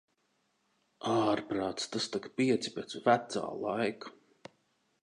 Ārprāc, tas tak pieci pēc "vecā" laika.